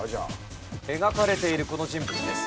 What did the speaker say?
描かれているこの人物です。